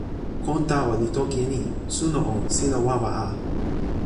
kon tawa li toki e ni: suno o, sina wawa a.